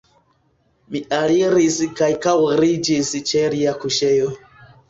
Mi aliris kaj kaŭriĝis ĉe lia kuŝejo.